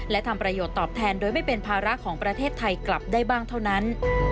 และทำประโยชน์ตอบแทนโดยไม่เป็นภาระของประเทศไทยกลับได้บ้างเท่านั้น